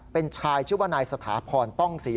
เป็นชายชื่อว่านายสถาพรป้องศรี